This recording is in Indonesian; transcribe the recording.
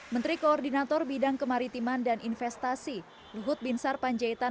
menteri koordinator bidang kemaritiman dan investasi luhut binsar panjaitan